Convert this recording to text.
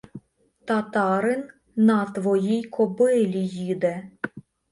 Татарин на твоїй кобилі їде.